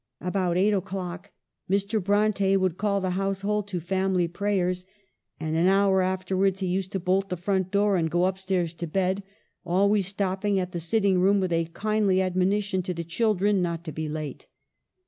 About eight o'clock Mr. Bronte would call the household to family pray ers ; and an hour af tenvards he used to bolt the front door, and go up stairs to bed, always stop ping at the sitting room with a kindly admoni tion to the " children " not to be late.